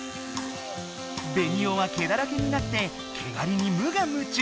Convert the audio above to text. ベニオは毛だらけになって毛がりにむがむ中。